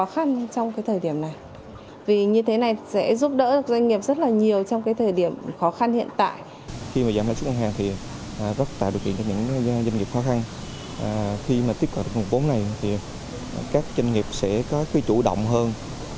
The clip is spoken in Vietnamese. khi mà tiếp cận được nguồn bốn này thì các doanh nghiệp sẽ có khí chủ động hơn